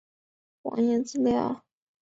根据官方网页资料。